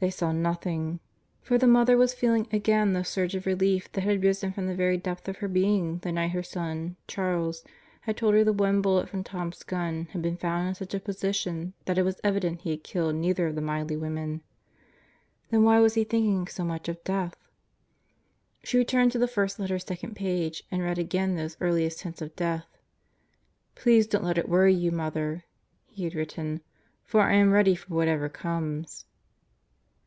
They saw nothing; for the mother was feeling again the surge of relief that had risen from the very depth of her being the night her son, Charles, had told her the one bullet from Tom's gun had been found in such a position that "Most Likely Til Burn 9 23 it was evident he had killed neither of the Miley women. ... Then why was he thinking so much of death? She turned the first letter's second page and read again those earliest hints of death. "Please don't let it worry you, Mother," he had written, "for I am ready for whatever comes."